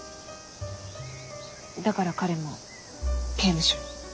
だから彼も刑務所に。